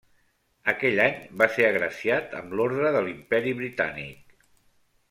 Aquell any, va ser agraciat amb l'Orde de l'Imperi Britànic.